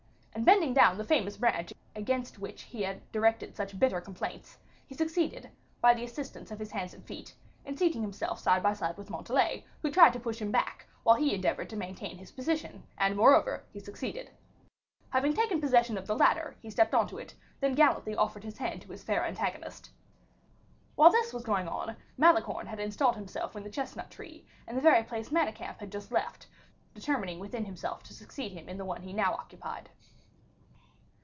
And bending down the famous branch against which he had directed such bitter complaints, he succeeded, by the assistance of his hands and feet, in seating himself side by side with Montalais, who tried to push him back, while he endeavored to maintain his position, and, moreover, he succeeded. Having taken possession of the ladder, he stepped on it, and then gallantly offered his hand to his fair antagonist. While this was going on, Malicorne had installed himself in the chestnut tree, in the very place Manicamp had just left, determining within himself to succeed him in the one he now occupied.